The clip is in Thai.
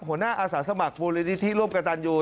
หัวหน้าอาสาสมัครบูรณิธิร่วมกระตันยู